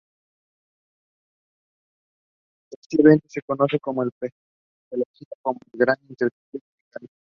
Este evento se conoce en paleontología como el "Gran Intercambio Americano".